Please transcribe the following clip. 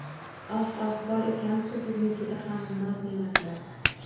“Oh, oh! Bor ekan-ku biznikida ham noz-ne’matlar.